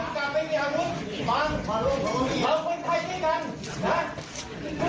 แต่ก็เป็นโยชน์งานมุมความเหล่าแต่เอาต่อไปคุย